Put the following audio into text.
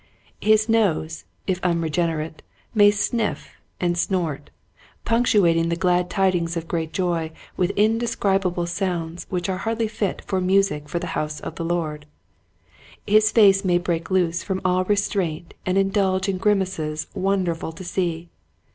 His nose, if unregenerate, may sniff and snort, punctuating the glad tidings of great joy with indescribable sounds which are hardly fit music for the House of the Lord. His face may break loose from all restraint and indulge in grimaces wonder ful to see.